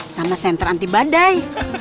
sama senter anti badai